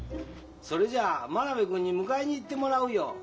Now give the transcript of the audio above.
それじゃあマナベル君に迎えに行ってもらうよ。